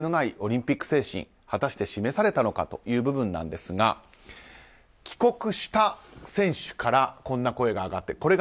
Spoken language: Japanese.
では、前例のないオリンピック精神は果たして示されたのかという部分ですが帰国した選手からこんな声が上がっている。